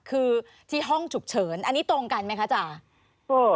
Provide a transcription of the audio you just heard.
คือที่ห้องฉุกเฉินอันนี้ตรงกันไหมคะอาจารย์